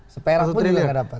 seperah pun juga nggak dapat